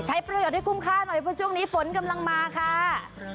ใช้ประโยชน์ให้คุ้มค่าหน่อยเพราะช่วงนี้ฝนกำลังมาค่ะ